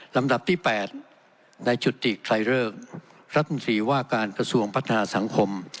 ลำดับที่๘นายจุติใครเริกรัฐมนตรีว่าการกระทรวงพัฒนาสังคม